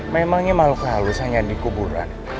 memangnya maluk halus hanya di kuburan